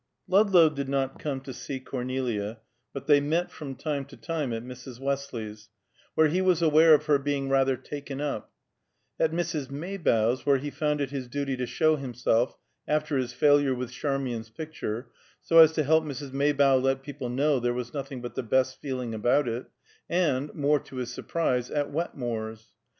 Ludlow did not come to see Cornelia, but they met, from time to time, at Mrs. Westley's, where he was aware of her being rather taken up; at Mrs. Maybough's, where he found it his duty to show himself after his failure with Charmian's picture, so as to help Mrs. Maybough let people know there was nothing but the best feeling about it; and, more to his surprise, at Wetmore's.